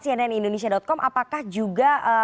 cnnindonesia com apakah juga